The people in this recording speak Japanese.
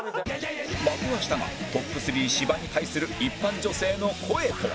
負けはしたがトップ３芝に対する一般女性の声とは？